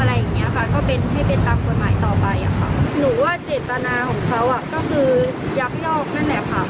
เราตกลงอ่ะคะเขาไว้ว่าเราจะขายในราคาเท่าไหร่นะคะ